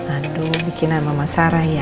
aduh bikinan mama sarah ya